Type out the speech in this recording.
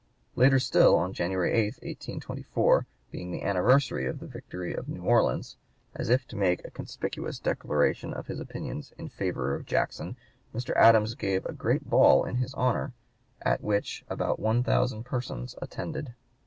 Later still, on January 8, 1824, being the anniversary of the victory of New Orleans, as if to make a conspicuous declaration of his opinions in favor of Jackson, Mr. Adams gave a great ball in his honor, "at which about one thousand persons attended."